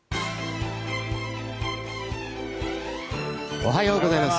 おはようございます。